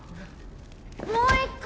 もう一回。